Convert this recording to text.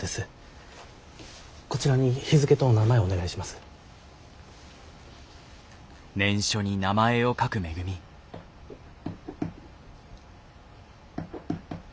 こちらに日付とお名前をお願いします。